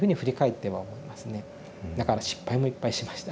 だから失敗もいっぱいしました。